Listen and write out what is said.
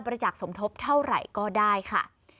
จากสมทบเท่าไหร่ก็ได้ค่ะ